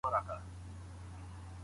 د پوهنتونونو استادان د ماسټرۍ درجې لري؟